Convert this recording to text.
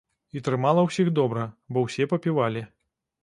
І трымала ўсіх добра, бо ўсе папівалі.